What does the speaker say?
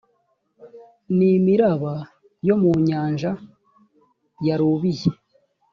ni imiraba yo mu nyanja yarubiye